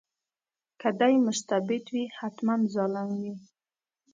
که دی مستبد وي حتماً ظالم وي.